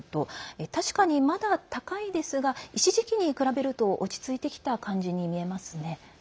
確かに、まだ高いですが一時期に比べると落ち着いてきた感じに見えますね。